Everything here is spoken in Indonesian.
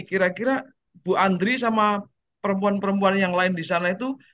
kira kira bu andri sama perempuan perempuan yang lain di sana itu